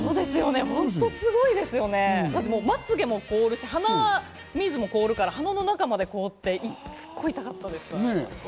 本当すごいですよね、まつげも凍るし、鼻水も凍るから鼻の中まで凍って、すごく痛かったです。